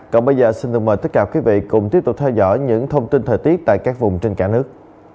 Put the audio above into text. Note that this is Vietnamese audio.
còn bây giờ xin được mời tất cả quý vị cùng tiếp tục theo dõi những thông tin thời tiết tại các vùng trên cả nước